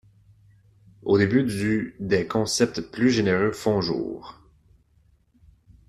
Au début du des concepts plus généraux font jour.